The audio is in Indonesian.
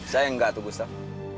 saya nggak tuh gustaf